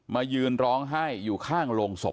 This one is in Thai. ยืนร้องไห้อยู่ข้างโรงศพ